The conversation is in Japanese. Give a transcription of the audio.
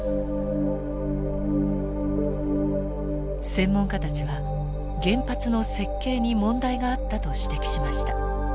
専門家たちは原発の設計に問題があったと指摘しました。